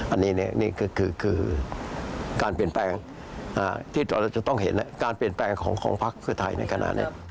อันนี้ก็คือการเปลี่ยนแปลงที่เราจะต้องเห็นการเปลี่ยนแปลงของพักเพื่อไทยในขณะนี้